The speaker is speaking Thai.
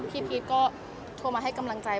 พี่พีชก็โทรมาให้กำลังใจ